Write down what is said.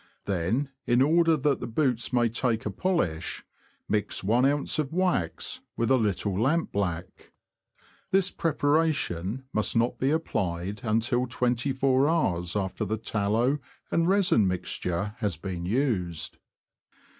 Then, in order that the boots may take a polish, mix one ounce of wax with a little lampblack. This preparation must not be applied until twenty four hours after the tallow and resin mixture has been used.